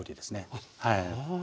あっはあ。